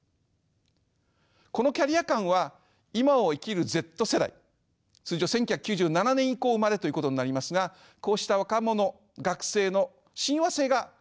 このキャリア感は今を生きるＺ世代通常１９９７年以降生まれということになりますがこうした若者学生の親和性が極めて高いともいえます。